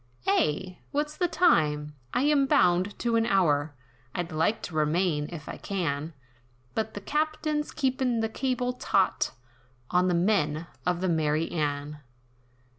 "Eh! what's the time, I am bound to an hour, I'd like to remain, if I can, But the captain's keepin' the cable taut, On the men of the 'Mary Anne.'